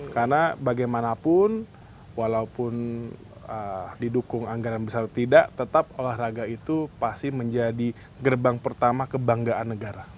karena bagaimana pun walaupun didukung anggaran yang besar atau tidak tetap olahraga itu pasti menjadi gerbang pertama kebanggaan negara